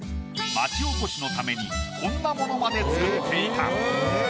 町おこしのためにこんなものまで作っていた。